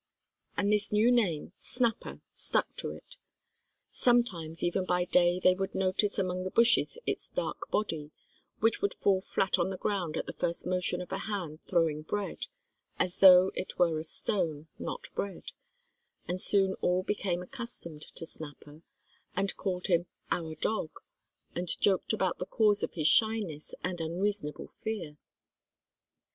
And this new name "Snapper" stuck to it. Sometimes even by day they would notice among the bushes its dark body, which would fall flat on the ground at the first motion of a hand throwing bread—as though it were a stone, not bread,—and soon all became accustomed to Snapper, and called him "our dog," and joked about the cause of his shyness and unreasonable fear.